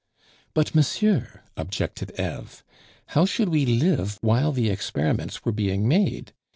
"But, monsieur," objected Eve, "how should we live while the experiments were being made?